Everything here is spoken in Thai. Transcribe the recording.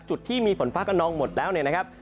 จุดที่มีฝนฟ้ากระนองหมดแล้วเนี่ยนะครับ